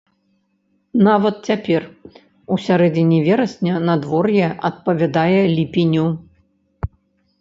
Нават цяпер, у сярэдзіне верасня, надвор'е адпавядае ліпеню.